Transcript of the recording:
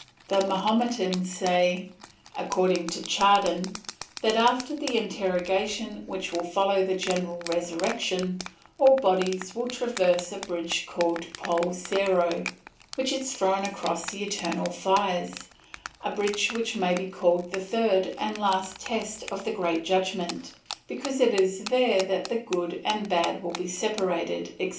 "The Mahometans say, according to Chardin, that after the interrogation which will follow the general resurrection, all bodies will traverse a bridge called Poul Serrho, which is thrown across the eternal fires, a bridge which may be called the third and last test of the great Judgment, because it is there that the good and bad will be separated, etc.